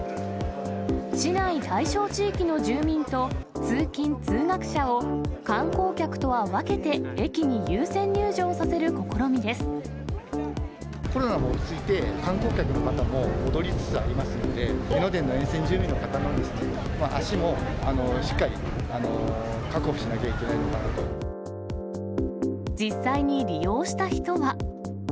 市内対象地域の住民と、通勤・通学者を観光客とは分けて、コロナも落ち着いて、観光客の方も、戻りつつありますので、江ノ電の沿線住民の方の足もしっかり、実際に利用した人は。